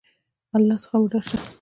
د الله څخه وډار شه !